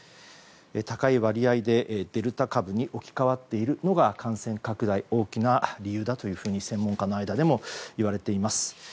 高い割合でデルタ株に置き換わっているのが感染拡大、大きな理由だと専門家の間でもいわれています。